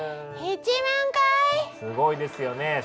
すごいですよね。